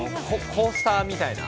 コースターみたいな？